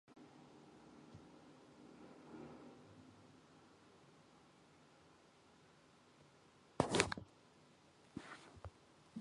Энх тайвныг бэхжүүлэх, бүх нийтийн аюулгүй байдлыг хангах заалтууд бичээтэй л байгаа.